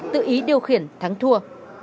tự ý điều khiển thắng thua